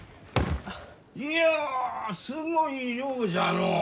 いやすごい量じゃのう！